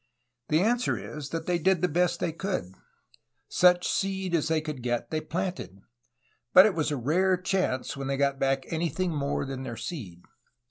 The answer is that they did the best they could. Such seed as they could get, they planted, but it was a rare chance when they got back anything more than their seed.